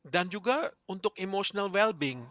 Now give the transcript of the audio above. dan juga untuk emotional well being